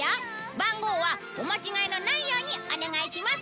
番号はお間違えのないようにお願いします。